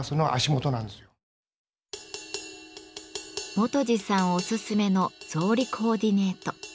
泉二さんおすすめの草履コーディネート。